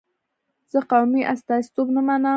زه قومي استازیتوب نه منم.